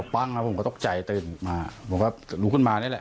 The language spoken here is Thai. ปั้งแล้วผมก็ตกใจตื่นมาผมก็ลุกขึ้นมานี่แหละ